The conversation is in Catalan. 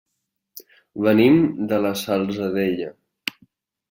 Venim de la Salzadella.